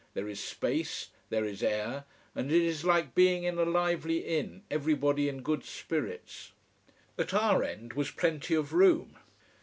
There is space, there is air, and it is like being in a lively inn, everybody in good spirits. At our end was plenty of room.